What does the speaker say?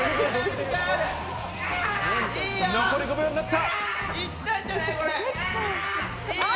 残り５秒になった。